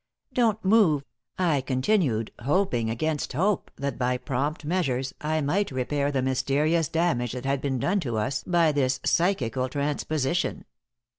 "Don't move," I continued, hoping against hope that by prompt measures I might repair the mysterious damage that had been done to us by this psychical transposition.